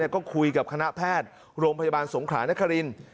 ก็คุยกับคณะแพทย์โรงพยาบาลสงขรานครินทร์